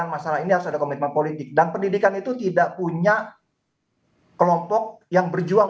masalah ini harus ada komitmen politik dan pendidikan itu tidak punya kelompok yang berjuang